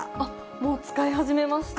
もう使い始めました。